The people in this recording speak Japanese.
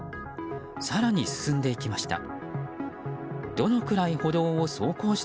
更に進んでいきました。